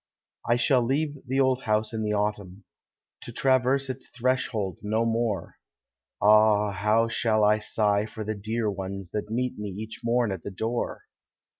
I shall leave the old house in the autumn, To traverse its threshold no more; POEMH OF HOME. Ah! bow shall I sigh for the dear ones That meet me each morn at the door!